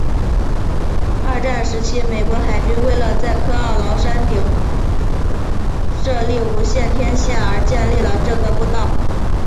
二战时期美国海军为了在科奥劳山山顶设立无线电天线而建立了这条步道。